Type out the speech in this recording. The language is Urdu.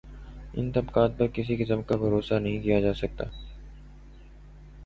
ان طبقات پہ کسی قسم کا بھروسہ نہیں کیا جا سکتا۔